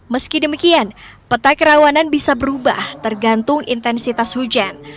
meski demikian peta kerawanan bisa berubah tergantung intensitas hujan